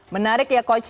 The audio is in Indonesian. menarik ya coach